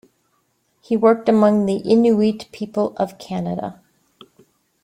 He worked among the Inuit people of Canada.